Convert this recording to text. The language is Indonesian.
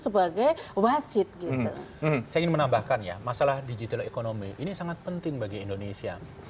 sebagai wasit gitu saya ingin menambahkan ya masalah digital economy ini sangat penting bagi indonesia